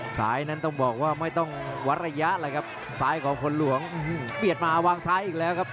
ซ้ายนั้นต้องบอกว่าไม่ต้องวัดระยะเลยครับซ้ายของคนหลวงเปลี่ยนมาวางซ้ายอีกแล้วครับ